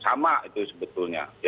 sama itu sebetulnya